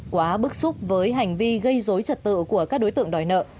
quá bức xúc với hành vi gây dối trật tự của các đối tượng đòi nợ